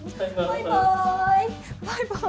バイバーイ。